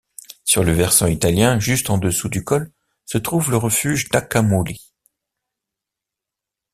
Sur le versant italien, juste en dessous du col se trouve le refuge Nacamuli.